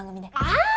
ああ！